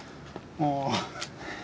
ああ。